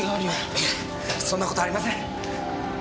いえそんな事ありません。